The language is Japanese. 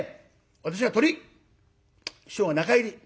私がトリ師匠が中入り。